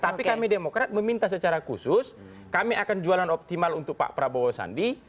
tapi kami demokrat meminta secara khusus kami akan jualan optimal untuk pak prabowo sandi